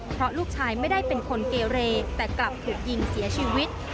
เพราะลูกชายไม่ได้เป็นคนเกเรแต่กลับถูกยิงเสียชีวิต